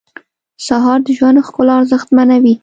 سهار د ژوند ښکلا ارزښتمنوي.